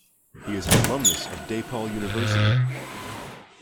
He is an alumnus of DePaul University.